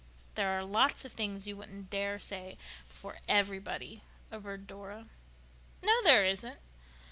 "There are lots of things you wouldn't dare say before everybody," averred Dora. "No, there isn't."